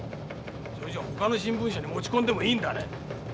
それじゃ他の新聞社に持ち込んでもいいんだね？